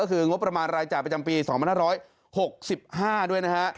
ก็คืองบประมาณรายจ่ายประจำปี๒๕๖๕ด้วยนะฮะ